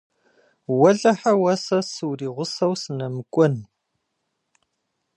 Уэлэхьэ, сэ уэ суригъусэу сынэмыкӀуэн.